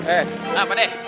eh apa deh